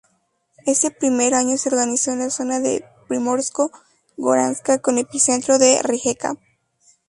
Ese primer año se organizó en la zona de Primorsko-Goranska con epicentro en Rijeka.